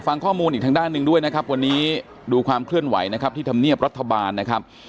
ฟังข้อมูลอีกทางด้านหนึ่งด้วยนะครับวันนี้ดูความเคลื่อนไหวนะครับที่ธรรมเนียบรัฐบาลนะครับ